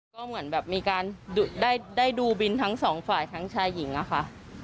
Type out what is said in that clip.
ก็เหมือนแบบมีการได้ดูบินทั้งสองฝ่ายทั้งชายหญิงอะค่ะ